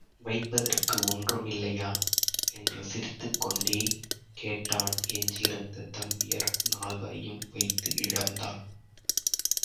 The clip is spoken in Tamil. வைப்பதற்கு ஒன்றும் இல்லையா? என்று சிரித்துக் கொண்டே கேட்டான் எஞ்சியிருந்த தம்பியர் நால் வரையும் வைத்து இழந்தான்.